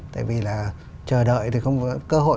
tại vì là chờ đợi thì không có cơ hội